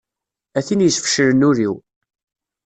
A tin yesfeclen ul-iw.